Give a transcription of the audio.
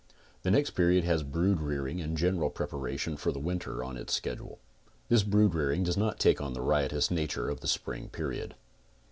The next period has brood rearing and general preparation for the winter on its schedule. This brood rearing does not take on the riotous nature of the spring period.